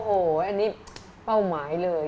โอ้โหอันนี้เป้าหมายเลย